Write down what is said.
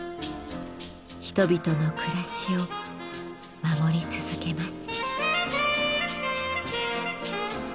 人々の暮らしを守り続けます。